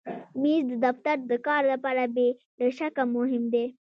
مېز د دفتر د کار لپاره بې له شکه مهم دی.